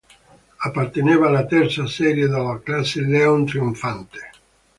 Apparteneva alla terza serie della Classe Leon Trionfante.